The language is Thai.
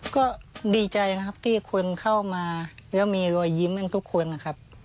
ก็ดีใจนะครับที่คนเข้ามาแล้วมีรอยยิ้มกันทุกคนนะครับ